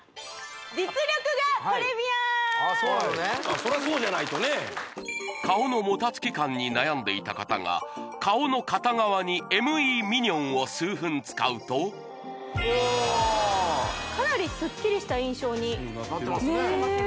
そらそうじゃないとね顔のもたつき感に悩んでいた方が顔の片側にＭＥミニョンを数分使うとかなりスッキリした印象になってますね